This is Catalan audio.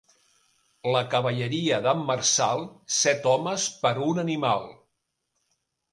La cavalleria d'en marçal, set homes per un animal.